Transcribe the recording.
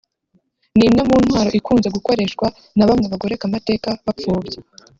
ni imwe mu ntwaro ikunze gukoreshwa na bamwe bagoreka amateka bapfobya